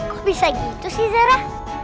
kok bisa gitu sih zara